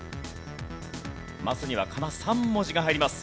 マスにはかな３文字が入ります。